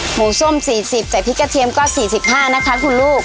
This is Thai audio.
ส้ม๔๐ใส่พริกกระเทียมก็๔๕นะคะคุณลูก